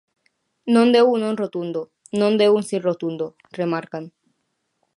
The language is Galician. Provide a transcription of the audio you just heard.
Non deu un non rotundo, non deu un si rotundo, remarcan.